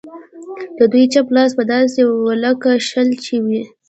د دوی چپ لاس به داسې و لکه شل چې وي.